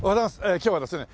今日はですね